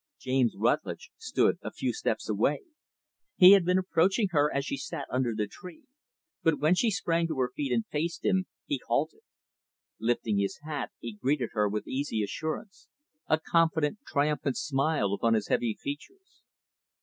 James Rutlidge stood a few steps away. He had been approaching her as she sat under the tree; but when she sprang to her feet and faced him, he halted. Lifting his hat, he greeted her with easy assurance; a confident, triumphant smile upon his heavy features.